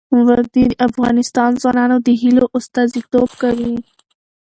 وادي د افغان ځوانانو د هیلو استازیتوب کوي.